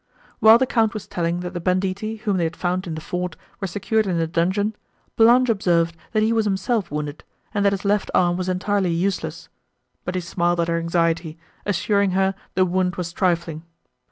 While the Count was telling, that the banditti, whom they had found in the fort, were secured in the dungeon, Blanche observed that he was himself wounded, and that his left arm was entirely useless; but he smiled at her anxiety, assuring her the wound was trifling.